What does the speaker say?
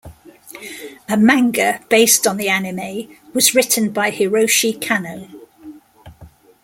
A manga based on the anime was written by Hiroshi Kanno.